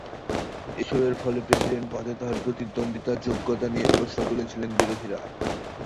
এসবের ফলে প্রেসিডেন্ট পদে তাঁর প্রতিদ্বন্দ্বিতার যোগ্যতা নিয়ে প্রশ্ন তুলছেন বিরোধীরা।